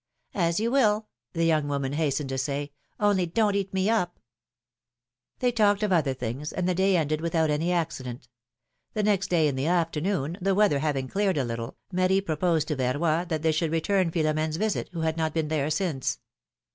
^^As you will," the young woman hastened to say; ^^only don't eat me up I" They talked of other things, and the day ended without any accident. The next day in the afternoon, the weather having cleared a little, Marie proposed to Verroy that they should return Philomene's visit, w^ho had not been there since.